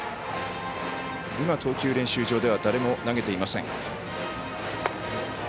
投球練習場では誰も投げていません。